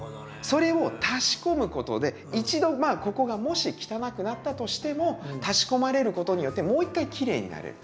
それを足しこむことで一度まあここがもし汚くなったとしても足しこまれることによってもう一回きれいになれる。